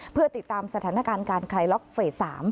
เพื่อติดตามสถานการณ์การคลายล็อกเฟส๓